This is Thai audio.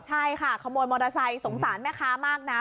ใช่ค่ะขโมยมอเตอร์ไซค์สงสารแม่ค้ามากนะ